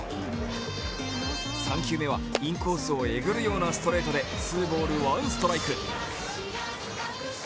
３球目はインコースをえぐるようなストレートでツーボール、ワンストライク。